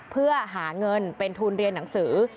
เพื่อหาเงินเป็นทุนเรียนหนังสือ